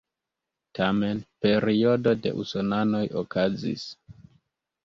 Tamen periodo de usonanoj okazis.